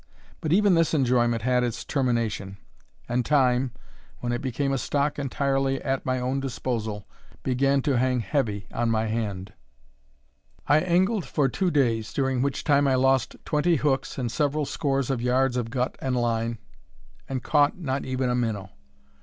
But even this enjoyment had its termination; and time, when it became a stock entirely at my own disposal, began to hang heavy on my hand. I angled for two days, during which time I lost twenty hooks, and several scores of yards of gut and line, and caught not even a minnow.